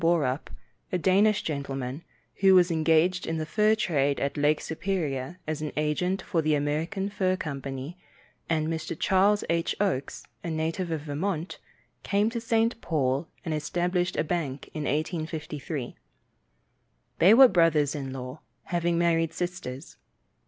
Borup, a Danish gentleman, who was engaged in the fur trade at Lake Superior as an agent for the American Fur Company, and Mr. Charles H. Oakes, a native of Vermont, came to St. Paul, and established a bank in 1853. They were brothers in law, having married sisters.